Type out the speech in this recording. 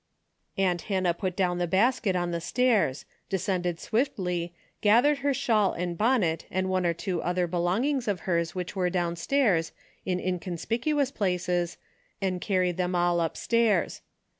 Aunt Hannah put down the basket on the stairs, descended swiftly, gathered her shawl and bonnet and one or two other belongings of hers which Avere downstairs, in inconspic uous places, and carried them all upstairs.